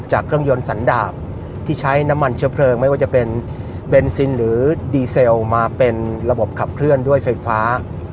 เครื่องยนต์สันดาบที่ใช้น้ำมันเชื้อเพลิงไม่ว่าจะเป็นเบนซินหรือดีเซลมาเป็นระบบขับเคลื่อนด้วยไฟฟ้า